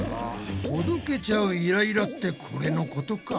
ほどけちゃうイライラってこれのことか？